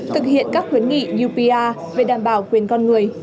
thực hiện các khuyến nghị upr về đảm bảo quyền con người